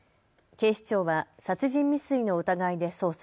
警視庁は殺人未遂の疑いで捜査。